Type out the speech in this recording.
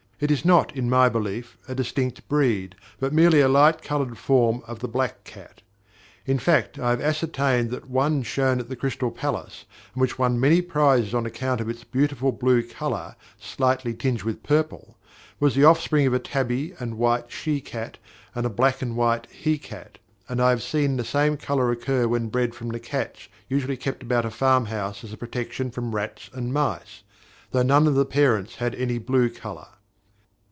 It is not, in my belief, a distinct breed, but merely a light coloured form of the black cat. In fact, I have ascertained that one shown at the Crystal Palace, and which won many prizes on account of its beautiful blue colour slightly tinged with purple, was the offspring of a tabby and white she cat and a black and white he cat, and I have seen the same colour occur when bred from the cats usually kept about a farmhouse as a protection from rats and mice, though none of the parents had any blue colour.